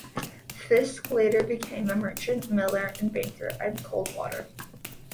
Fisk later became a merchant, miller, and banker in Coldwater.